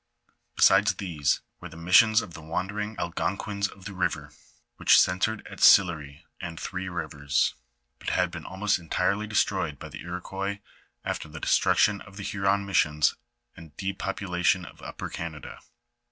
Besides these were the missions of the wandering Algon quins of the river, which centred at Sillery and Three Bivers, but had been almost entirely destroyed by the Iroquois after the destruction of the Huron missions and depopulation of Uppei' Canada.